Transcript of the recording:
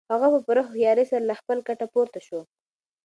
هغه په پوره هوښیارۍ سره له خپل کټه پورته شو.